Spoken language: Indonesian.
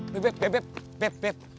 beb beb beb